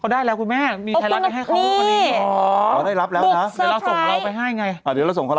เดี๋ยวส่งไปให้เดี๋ยวส่งไปให้